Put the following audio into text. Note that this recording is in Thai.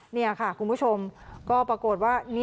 นี่ค่ะคุณผู้ชมก็ปรากฏว่า